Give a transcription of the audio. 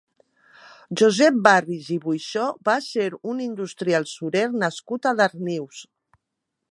Josep Barris i Buixó va ser un industrial surer nascut a Darnius.